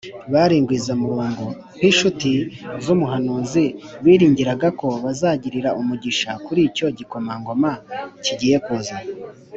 Bari ingwiza murongo. Nk’inshuti z’umuhanuzi, biringiraga ko bazagirira umugisha kur’icyo gikomangoma kigiye kuza